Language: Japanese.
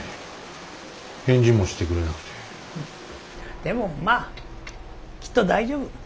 でもまあきっと大丈夫。